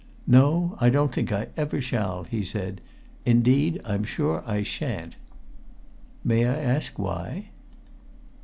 "No, I don't think I ever shall," he said. "Indeed, I'm sure I shan't!" "May I ask why?"